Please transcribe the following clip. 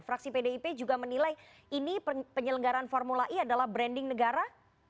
fraksi pdip juga menilai ini penyelenggaran formula e adalah branding negara